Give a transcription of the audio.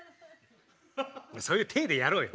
そういう体でやろうよ。